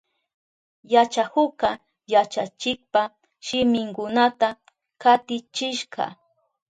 Yachakukka yachachikpa shiminkunata katichishka.